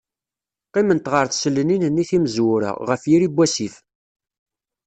Qqiment ɣer tselnin-nni timezwura, ɣef yiri n wasif.